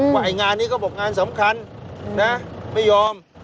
ไอ้งานนี้ก็บอกงานสำคัญนะไม่ยอม